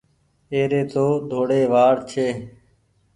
اي ري تو ڌوڙي وآڙ ڇي۔